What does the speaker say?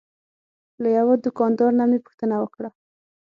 له یوه دوکاندار نه مې پوښتنه وکړه.